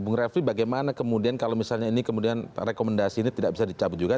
bung revi bagaimana kemudian kalau misalnya ini kemudian rekomendasi ini tidak bisa dicabut juga